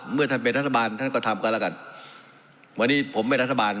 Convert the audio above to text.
เมื่อท่านเป็นรัฐบาลท่านก็ทำกันแล้วกันวันนี้ผมเป็นรัฐบาล